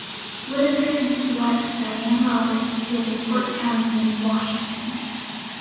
Whittaker and his wife, Dianne Roberts, live in Port Townsend, Washington.